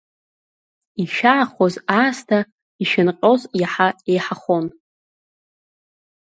Ишәаахоз аасҭа ишәынҟьоз иаҳа еиҳахон.